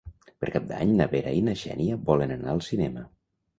Per Cap d'Any na Vera i na Xènia volen anar al cinema.